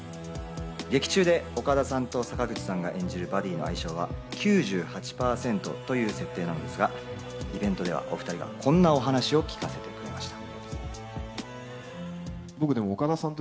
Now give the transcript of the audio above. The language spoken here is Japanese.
劇中で岡田さんと坂口さんが演じるバディの相性は９８％という設定なのですが、イベントでは、お２人がこんなお話を聞かせてくれました。